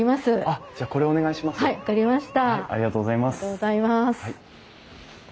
ありがとうございます。